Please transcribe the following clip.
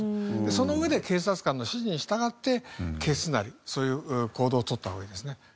その上で警察官の指示に従って消すなりそういう行動を取った方がいいですね。